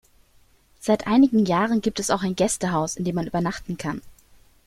Seit einigen Jahren gibt auch ein Gästehaus, in dem man übernachten kann.